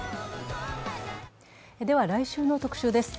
では、来週の特集です。